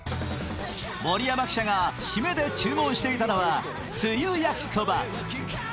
盛山記者がシメで注文していたのはつゆ焼そば。